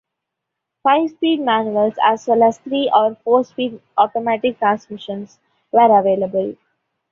Five-speed manuals as well as three- or four-speed automatic transmissions were available.